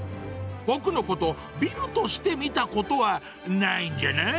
僕のこと、ビルとして見たことは、ないんじゃない？